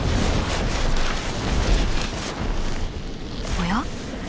おや？